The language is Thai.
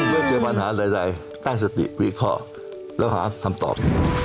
เมื่อเจอปัญหาใดตั้งสติวิเคราะห์แล้วหาคำตอบ